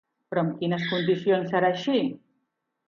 Però amb quines condicions serà així?